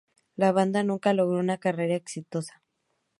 La banda nunca logró una carrera exitosa.